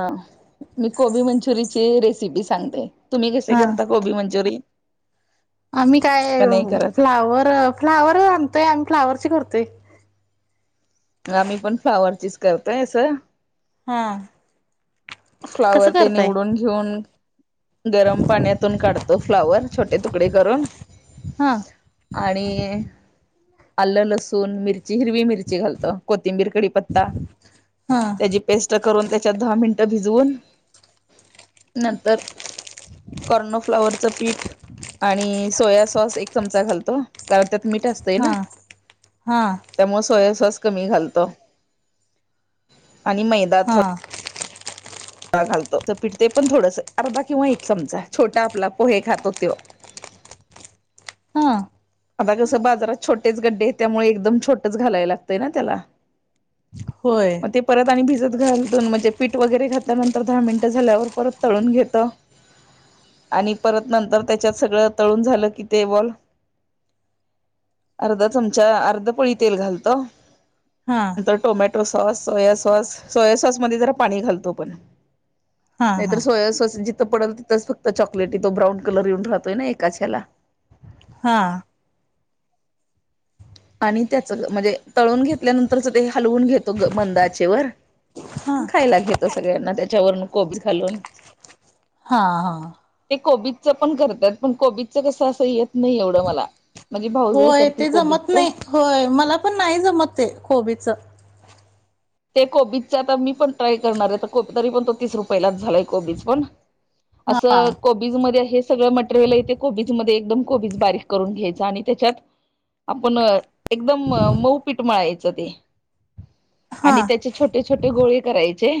हा मी कोबी मंचुरी ची रेसिपी सांगते. तुम्ही कसे हा करता कोबी मंचुरी आम्ही काय करत फ्लावर फ्लावर आणतोय आम्ही फ्लावर करतो ते आम्ही पण फ्लावरचीच करतोयस‌ अस हा कसं फ्लावर ते करताय? निवडून घेऊन गरम पाण्यातून काढतो फ्लावर छोटे तुकडे करून हा आणि आलं लसूण मिरची हिरवी मिरची घालतो कोथिंबीर कढीपत्ता हा त्याची पेस्ट करून त्याच्यात दहा मिन भिजवून नंतर कॉर्नोफ्लावरच पीठ आणि सोया सॉस एक चमचा घालतो कारण त्या मीठ असतय ना हा हा त्यामुळे सोयासॉस कमी घालतो आणि मैदा हा थोड घालतो तर पिठते पण थोडस अर्धा किंवा एक चमचा छोटा आपला पोहे खातो तो हा आता कसं बाजारात छोटेच गड्डे त्यामुळे एकदम छोटच घालायला लागतंय ना त्याला होय. मग ते परत आणि भिजत घालून म्हणजे पीठ वगैरे घातल्यानंतर दहा मिनिटं झाल्यावर परत तळून घेताव आणि परत नंतर त्यांच्यात सगळं तळून झालं की ते बॉल अर्धा चमचा अर्ध पोळी तेल घालतो हा नंतर टोमॅटो टो sauce soya sauce soya sauce मध्ये जरा पाणी घालतो पण हा नाही हा तर सोया साॅस जि त पडल तिथंच फक्त चॉकलेट तो ब्राउन कलर येऊन राहतोय ना एकाच हेला हा आणि त्याच म्हणजे तळून घेतल्यानंतरच ते हलवून घेतो मंदआचेवर हा खायला घेतो सगळ्यांना त्याच्यावरून कोबी घालून हां हां. कोबीच पण करत्यात पण कोबीचं कसं असं येत नाही एवढं मला माझी भावजय हे होय करते ते कोबीच जमत नाही होय मला पण नाही जमत ते कोबीच ते कोबीजचा आता मी पण ट्राय करणार आहे तरी पण तो तीस रुपया लाच झालाय कोबीज पण असं कोबीज मध्ये हेच सगळ मटेरियल इथे कोबीज मध्ये एकदम कोबीज बारीक करून घ्यायच आणि त्याच्यात आपण एकदम मऊ पीठ मळायचं ते हा आणि त्याचे छोटे छोटे गोळे करायचे.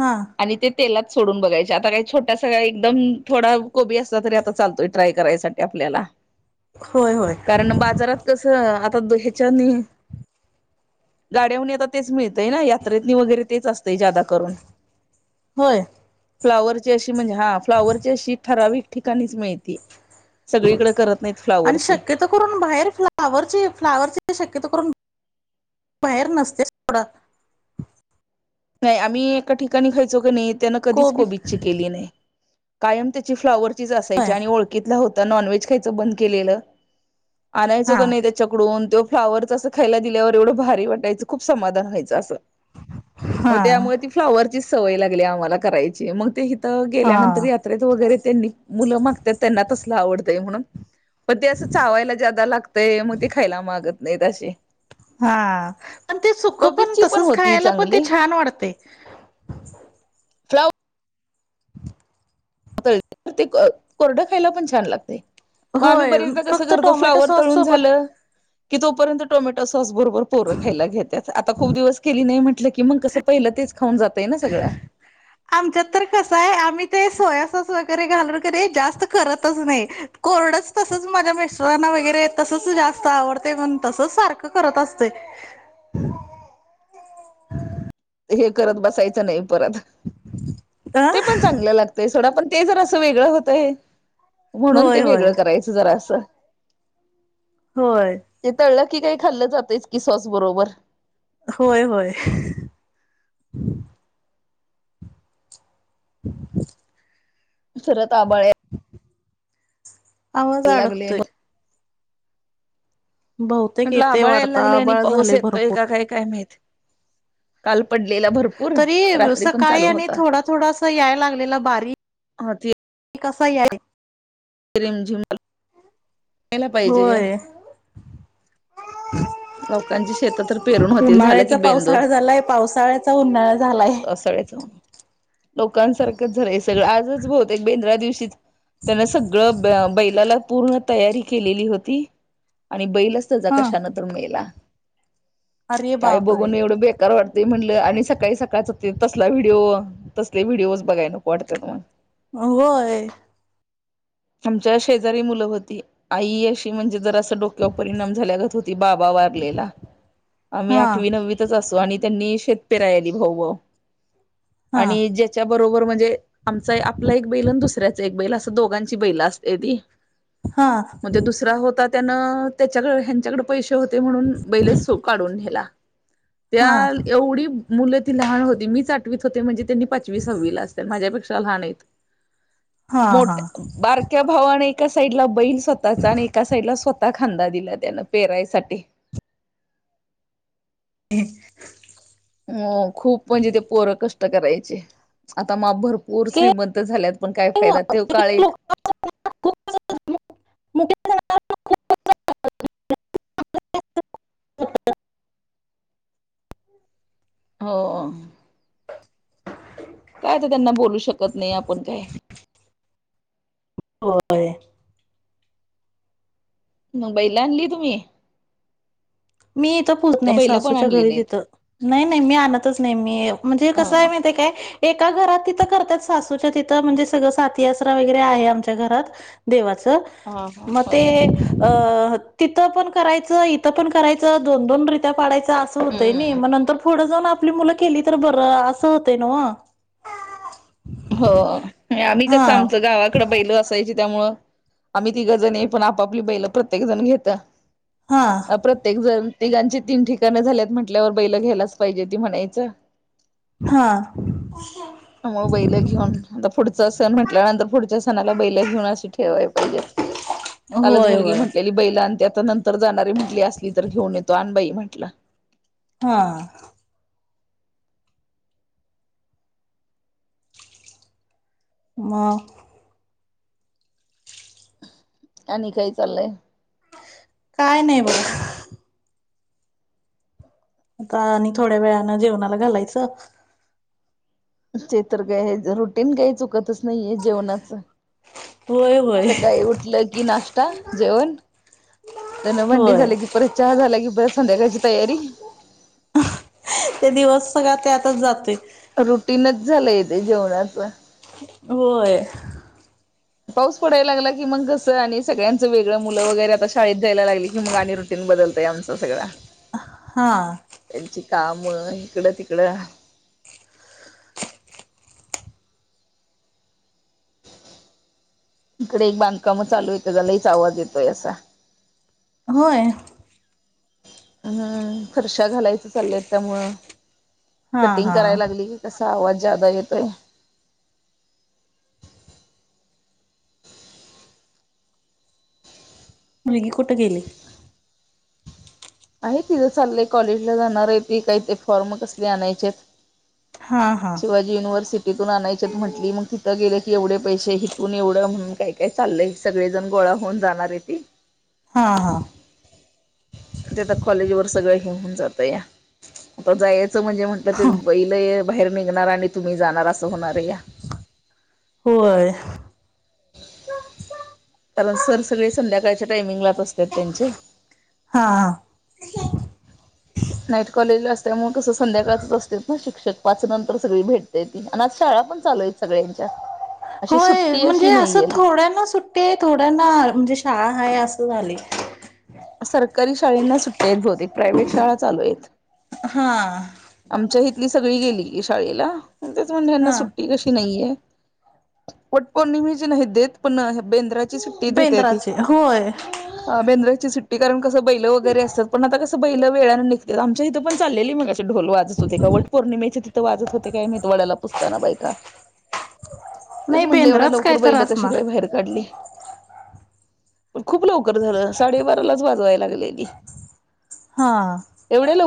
हा आणि ते तेलात सोडून बघायचे. आता काय छोटासा एकदम थोडा कोबी असला तरी आता चालतोय ट्राय करायसाठी आपल्याला. होय होय कारण बाजारात कसं, आता द ह्याच्यानी गाड्याहून आता तेच मिळतय ना, यात्रेतनी वगैरे तेच अस ते ज्यादा करून, होय. फ्लावरची अश ची म्हणजे हा फ्लाॉवरची अशी ठराविक ठिकाणीच मिळती. सगळीकडे करत नाहीत आणि फ्लाॉवरची शक्यतो करून बाहेर फ्लावरचे फ्लावरचे शक्यतो करून बाहेर नसतेच सोडा. नाही आम्ही एका ठिकाणी खायचो की नाही त्यानं कधीच कोबी कोबीची केली नाही. कायम त्याची फ्लाॉवरचीच होय असायची आणि ओळखीतला होता नॉनव्हेज खायचं बंद केलेलं आणायचो हा का नाही त्याच्याकडून, तेव्हा फ्लावर असं खायला दिल्यावर एवढं भारी वाटायचं खूप समाधान व्हायचं असं. मग हा त्यामुळे ती फ्लाॉवरचीच सवय लागली आम्हाला करायची, मग ते ही त गेल्यानंतर हा. यात्रेत वगैरे त्यांनी मुलं मागतात त्यांना तसलं आवडतंय म्हणून. पण ते असं चावायला ज्यादा लागतंय मग ते खायला मागत नाहीत अशे. हा, पण ते सुखं पण तसंच होती खायला पण ते चांगली छान वाटतंय. [unintelligible] फ्लाव तर ते अ कोरडं खायला पण छान लागतंय. मग आम्ही होय बरेचदा कसं फक्त करतो टोमॅटो फ्लावर सॉस तळुन सोबत झालं, की तो पर्यंत टोमॅटो सॉस बरोबर पोरं खायला घेत्यात, आता खूप दिवस केली नाही म्हण कि मग कसं पहिलं तेच खाऊन जातंय ना सगळं. आमच्यात तर कसंय? आम्ही ते सोया सॉस वग रे घालून क नाई जास्त करतच नाही, कोरडच तसंच माझ्या मिस्टरांना वैगरे तसंच जा स्त आवडतंय म्हणून तसंच सारखं करत असतोय. [unintelligible] हे करत बसायचं नाही परत, अ ते पण चांगलं लागतंय सोडा पण ते जर असं वेगळं होतंय, म्हणून होय ते होय वेगळं करायचं जरासं. होय. ते तळलं की काय खाल्लं जातंयच की सॉस बरोबर. होय होय. [unintelligible] [unintelligible] [unintelligible] आवाज यायला लागले अडकतोय. बहुतेक म्हटलं येते आभाळ याय वाढता लागलं आणि आबाळ पाऊस झाले येतोय भरपूर. का काय काय माहित? काल पडलेला भरपूर, तरी रात्री पण सकाळी चालू आणि होता. थोडा थोडासा याय ह ती ते कसाही आहे. म रिमझिम यायला पाहिजे, यायला. होय लोकांची शेत तर पेरून होतील झालं की उन्हाळ्याचा पावसाळा झालाय पावसाळ्याचा उन्हाळा झालाय. पावसाळ्याचा उन्हाळा, लोकांसारखंच झालंय सगळं आजच बहुतेक बेंद्रा दिवशीच त्यानं सगळं ब अ बैलाला पूर्ण तयारी केलेली होती. आणि बैलच त्याचा हा. कशानं तर मेला. अरे काय बापरे! बघून एवढं बेकार वाटतंय म्हणलं आणि सकाळी सक काळचं ते तसला व्हिडिओ, तसले व्हिडिओच बघाय नको वाटतेत मग. होय. आमच्या शेजारी मुलं होती, आई अशी म्हणजे जरा अस त डोक्यावर परिणाम झाल्यागत होती, बाबा वारलेला, आम्ही हा. आठवी नववीतच असू आणि त्यांनी शेत पेराय आली भाऊ भाऊ हा आणि ज्याच्या बर बरोबर म्हणजे आमचा आपला एक बैल आणि दुसऱ्याच एक बैल असं दोघांची बैला असते ती हा मग ते दुसरा होता त्यानं त्याच्या ह्यांच्याकड पैसे होते म्हणून बैलेच काढून नेला हा त्या एवढी मुलं ती लहान होती मीच आठवीत होते म्हणजे त्यांनी पाचवी सहावी ला असत माझ्यापेक्षा लहान आहेत हा हा मोठ्या बारक्या भावाने एका साइडला बैल स्वतःचा आणि एका साईडला स्वतः ता खांदा दिला त्यान पेरायसाठी ह हो खूप म्हणजे ते पोरं कष्ट करायचे आता मग भरपूर भरपूर श्रीमंत झाल्यात पण काय फायदा तो काळ एक [inaudible] हो हो काय तर त्यांना बोलू शकत नाही आपण काय होय मुंबईला आणली तुम्ही मी इथं पूजत त्या नाही बैला पण सासूच्या आणली घरीच नाहीत. इथं नाही नाही मी आणतच नाही मी म्हणजे कसं हा आहे माहित हाय काय एका घरात तिथं करतात सासूच्या तिथं म्हणजे सगळं साथी आसरा वगैरे आहे आमच्या घरात देवाचा हा हा म ते होय अं तिथं पण करायचं इथं पण करायचं दोन दोन रित्या पाडयचं असं होतंय नाही हम्म मग नंतर पुढं आपली मुलं केली तर बर अस होतय न हो आम्ही कसं आमचं गावाकड बैल असायची त्यामुळं आम्ही तिघं जण ये पण आपापली बैल प्रत्येक जण घेत हा अ प्रत्येक जण तिघांची तीन ठिकाण झाल्यात म्हटल्यावर बैला घ्यायलाच पाहिजे ती म्हणायचं हा त्यामुळे बैल घेऊन आता पुढचा सण म्हटल्यानंतर पुढच्या सणाला बैल घेऊन ठेवाय पाहिजेत कालच होय मुलगी होय म्हटलेली बैल ते आता नंतर जाणारी म्हंटली असली तर घेऊन येतो अनबाई म्हटलं हा म आणि काही चाललंय काय नाही बघ आता आणि थोड्या वेळानं जेवणाला घालायचं ते तर काय रुटीन काही चुकतच नाहीे जेवणाचं होय होय सकाळी उठलं की नाश्ता जेवण जनवंडी होय झाली की परत चहा झाला की परत संध्याकाळची तयारी ते दिवस सगळळा ते आतच जातोय झालं येते जेवणाच होय पाऊस पडायला लागला की मग कसं आणि सगळ्यांच वेगळं मुलं वगैरे आता शाळेत जायला लागली कि मग आणि रोटी बदलतय आमच सगळं हा काम इकडं तिकडं [inaudible] इकडे एक बांधकाम चालू येतं झालाहीच आवाज येतोय असा होय हम्म फर्शा घालायचं चाललंयत त्यामुळं हा कटिंग हा करायला लागली कसा आवाज येतो मुलगी कुठं गेली आहे तिथं चाललंय कॉलेजला जाणार आहे ती काही ते फॉर्म कसले आणायचे हा हा शिवाजी युनिवर्सिटी तथून आणायच्यात म्हटली मग तिथं गेलं की एवढे पैसे हिथून एवढं म्हणून काय काय चाललंय सगळे जण ग होऊन जाणार आहे ती हा हा ते कॉलेज वर सगळं घिऊन जात या आ जायचं म्हणजे म्हटलं ते बैल बार निघणार आणि तुम्ही जाणार अस होणार या होय ह सर सगळे संध्याकाळच्या टायमिंगला असतात त्यांचे हा हा नाईट कॉलेज ला असल्यामुळे तसं संध्याकाळचच असते ना शिक्षक पाच नंतर सगळी भेटताय ती आणि आज शाळा पण चालूय सगळ्यांच्या अशी होय सुट्टी म्हणजे अशी नाही असं येईल थोड्यांना सुट्टे थोड्यांना म्हणजे शाळा आहे असं झाले सरकारी शाळेंना सुट्टी आहेत बहुतेक प्रायव्हेट शाळा चालू आहेत हां आमच्या हथली सगळी गेली शाळेला तेच म्हणजेना हा सुट्टी कशी नाहीये पट पौर्णिमेचे नाही देत पण बेंद्राची सुट्टी देते ती बेंद्राचे होय बेंद्राची सुट्टी कारण कं बैलं वगैरे असतात पणता कसं बै वेळाने निघत आमच्या इथं पण चालेली मग ढोल वाजत होते का वट पौर्णिमेचे तिथे वाजत होते काय मेदवाड्याला पुसताना बायका तेच नाही म्हटलं एवढ्या बेंद्राच काय लवकर तर बैल कशी असणार काय बाहेर काढली खूप लवकर झालं साडेबारालाच वाजवाय लागलेली हा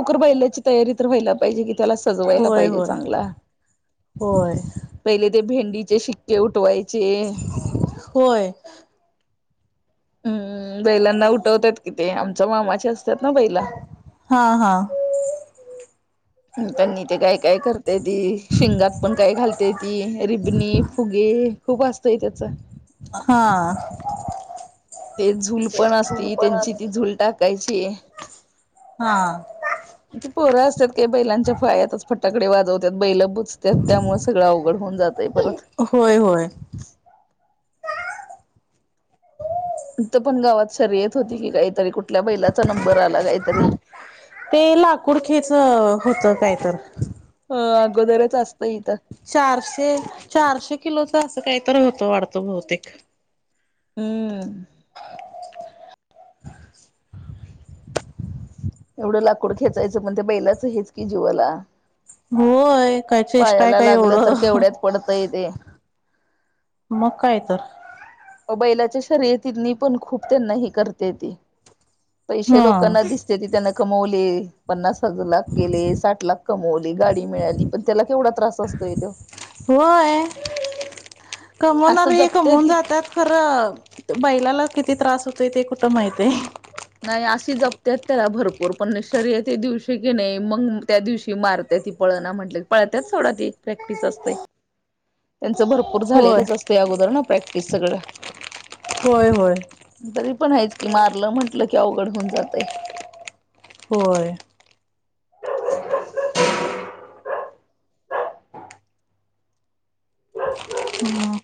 रयल्याची तयारी तर वयला पाहिजे क त्याला सजवायला होय पाहिजे होय चांगला होय पहिले ते भेंड चे शिक्े उठवायचे होय हम्म बैलांना उठवतात कि ते आमच्या मामाचे असतात ना बैला हा हा त्यांनी ते गाय काय करत ती शिंगात पण काय घालतेय ती रिबणी फुगे खूप असतय त्याचा हा ते झूल पण असती त्यांची ती झूल टाकायची हा पोरं असतात काही बैलांच्या पायातच फटाकडे वाजवतात बैलं बुजतात त्यामुळे सगळं अवघड होऊन जातय परत होय होय तर पण गावात शर्यत होती की काहीतरी कुठल्या बैलाचा नंबर आला काहीतरी ते लाकूड खेच होतं काय तर अ अगोदरच असतंय इथं चारशे चारशे किलोच असं काहीत होतं वाढतो बहुतेक हम्म ह [inaudible] एवढं लाकूड खेचायचं पण ते बैलाच हेच कि जीवाला. होय काय चेष्टाय पायाला काय लागलं एवढं. तर केवढ्यात पडतंय ते. मग काय तर अ बैलाच्या शर्यतीतनी पण खूप त्यांना ही करत्याती. पैसे हा लोकांना दिसत्याती त्यांना कमवले पन्नास स लाख गेले साठ लाख कमवले गाडी मिळाली पण त्याला केवढा त्रास असतोय तो. होय कमवणार असं हे जपते कमवून ती जातात खरं बैलाला, किती त्रास होतोय ते कुठं माहितेय. नाही अशी जपत्यात त्याला भरपूर पण शर्यत दिवशी की नाही मग त्या दिवशी मारत्यात. ती पळना म्हटल कि पळत्यात सोडा ती प्रॅक्टिस असतंय. ह [inaudible] त्यांचं भरपूर झालेलंच असतं अगोदर ना प्रॅक्टिस सगळं. होय होय. तरी पण हायच की मारलं म्हटलं की अवघड होऊन जातय. होय हम्म.